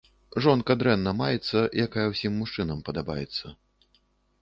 Жонка дрэнна маецца, якая ўсім мужчынам падабаецца.